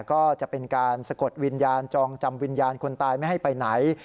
ก็จะเป็นการสะกดวิญญาณจองจำวิญญาณคนตายไม่ให้ไปไหน